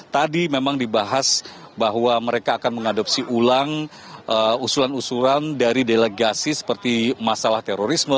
tadi memang dibahas bahwa mereka akan mengadopsi ulang usulan usulan dari delegasi seperti masalah terorisme